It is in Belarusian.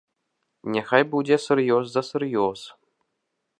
Няхай будзе сур'ёз за сур'ёз!